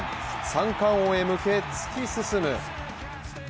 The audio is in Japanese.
三冠王へ向け突き進む。